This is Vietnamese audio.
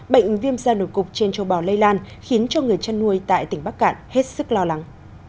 bệnh viêm da nổi cục trên châu bò lây lan khiến cho người chăn nuôi tại tỉnh bắc cạn hết sức lo lắng